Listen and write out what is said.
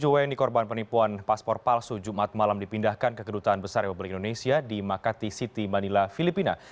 satu ratus tujuh puluh tujuh w yang dikorban penipuan paspor palsu jumat malam dipindahkan ke kedutaan besar ewa beli indonesia di makati city manila filipina